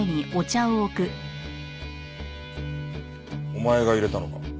お前が淹れたのか？